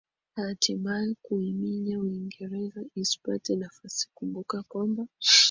na hatimae kuiminya uingereza isipate nafasi kumbuka kwamba